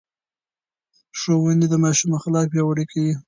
ښوونې د ماشوم اخلاق پياوړي کوي.